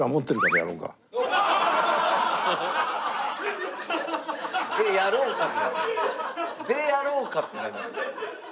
「でやろうか」って「でやろうか」って何？